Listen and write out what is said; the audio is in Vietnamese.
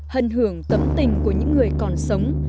hân hưởng tấm tình của những người còn sống